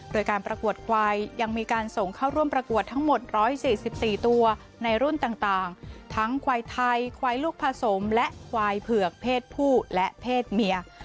โดยการประกวดควายยังมีการส่งเข้าร่วมประกวดทั้งหมด๑๔๔ตัวในรุ่นต่างทั้งควายไทยควายลูกผสมและควายเผือกเพศผู้และเพศเมีย